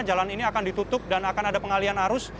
jalan ini akan ditutup dan akan ada pengalian arus